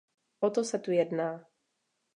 O to se tu jedná.